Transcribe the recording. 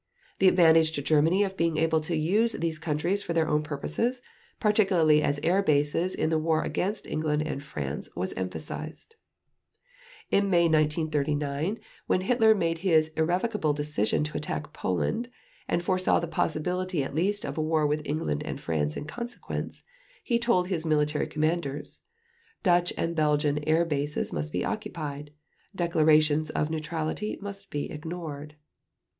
The advantage to Germany of being able to use these countries for their own purposes, particularly as air bases in the war against England and France, was emphasized. In May of 1939, when Hitler made his irrevocable decision to attack Poland, and foresaw the possibility at least of a war with England and France in consequence, he told his military commanders: "Dutch and Belgian air bases must be occupied .... Declarations of neutrality must be ignored."